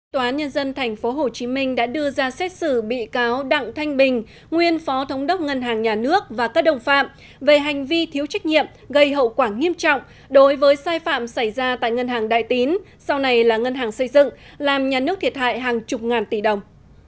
tòa án nhân dân tp hcm đã đưa ra xét xử bị cáo đặng thanh bình nguyên phó thống đốc ngân hàng nhà nước và các đồng phạm về hành vi thiếu trách nhiệm gây hậu quả nghiêm trọng đối với sai phạm xảy ra tại ngân hàng đại tín sau này là ngân hàng xây dựng làm nhà nước thiệt hại hàng chục ngàn tỷ đồng